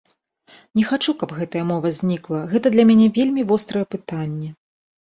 Не хачу, каб гэтая мова знікла, гэта для мяне вельмі вострае пытанне.